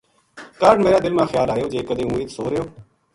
کاہڈ میرا دل ما خیال آیو جے کدے ہوں اِت سو رہیو